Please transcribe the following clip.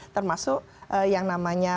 termasuk yang namanya